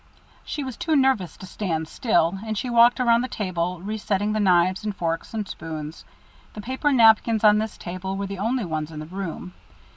She was too nervous to stand still; and she walked around the table, resetting the knives and forks and spoons. The paper napkins on this table were the only ones in the room.